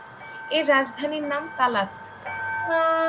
এর রাজধানীর নাম কালাত।